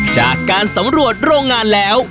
จากการสำรวจโรงงานแล้ว